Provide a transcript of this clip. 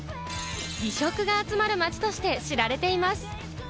美食が集まる街として知られています。